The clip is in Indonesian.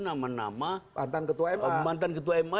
nama nama mantan ketua ma